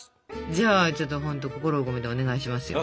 じゃあちょっとほんと心を込めてお願いしますよ。